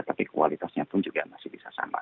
tapi kualitasnya pun juga masih bisa sama